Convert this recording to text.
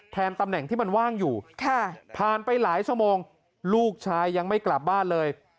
ตำแหน่งที่มันว่างอยู่ผ่านไปหลายชั่วโมงลูกชายยังไม่กลับบ้านเลย